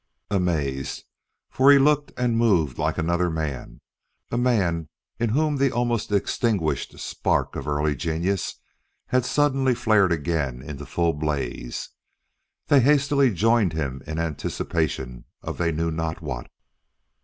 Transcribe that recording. Amazed, for he looked and moved like another man, a man in whom the almost extinguished spark of early genius had suddenly flared again into full blaze, they hastily joined him in anticipation of they knew not what.